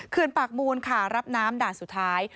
ปากมูลค่ะรับน้ำด่านสุดท้าย